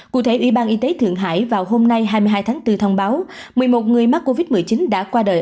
cụ thể ủy ban y tế thượng hải vào hôm nay hai mươi hai tháng bốn thông báo một mươi một người mắc covid một mươi chín đã qua đời